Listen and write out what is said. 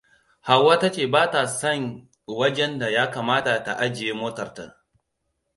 Hauwa ta ce bata san wajenda ya kamata ta ajiye motar ta ba.